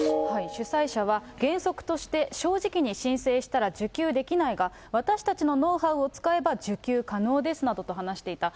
主催者は、原則として正直に申請したら受給できないが、私たちのノウハウを使えば受給可能ですなどと話していた。